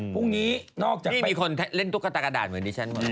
พรุ่งนี้นี่มีคนเล่นตุ๊กตากระดาษเหมือนดิฉัน